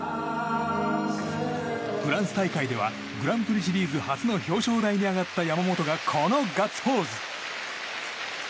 フランス大会ではグランプリシリーズ初の表彰台に上がった山本がこのガッツポーズ。